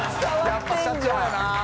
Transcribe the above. やっぱ社長やな。